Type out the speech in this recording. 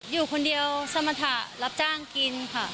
อยู่คนเดียวสมรรถะรับจ้างกินค่ะ